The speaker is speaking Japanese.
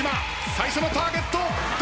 最初のターゲットどうか？